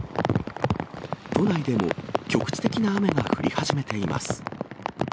都内でも局地的な雨が降り始めています。